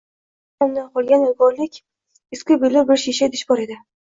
Uyda onamdan qolgan yodgorlik eski billur bir shisha idish bor edi